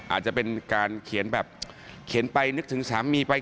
อาจจะเป็นการเขียนแบบเขียนไปนึกถึงสามีไป